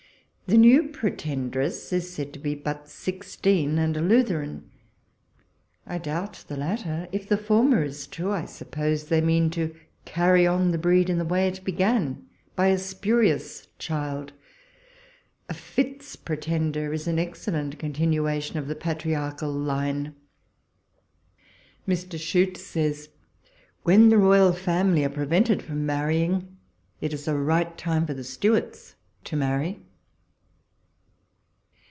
The new Pretend ress is said to be but sixteen, and a Lutheran: I doubt the latter ; if the former is true, I suppose they mean to carry on the breed in the way it began, by a spurious child. A Fitz Pretender is an ex cellent continuation of the patriarchal line. Mr. Chute, says, when the Royal Family are pre vented from marrying, it is a right time for the Stuarts to marry.